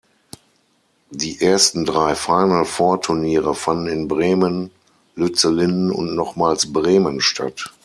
Die ersten drei Final-Four-Turniere fanden in Bremen, Lützellinden und nochmals Bremen statt.